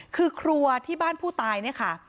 คือครัวที่บ้านผู้ตายเนี่ยค่ะ